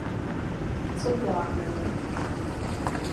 Co děláme my?